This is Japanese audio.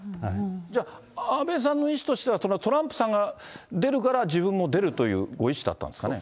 じゃあ、安倍さんの意思としてはトランプさんが出るから、自分も出るというご意思だったんですかね。